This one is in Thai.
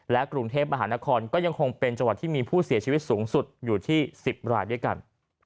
กรุงเทพมหานครก็ยังคงเป็นจังหวัดที่มีผู้เสียชีวิตสูงสุดอยู่ที่๑๐รายด้วยกัน